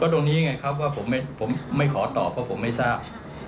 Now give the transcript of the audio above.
ตรงนี้ไงครับว่าผมไม่ขอตอบเพราะผมไม่ทราบ